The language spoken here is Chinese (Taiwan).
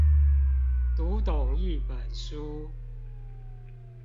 讀懂一本書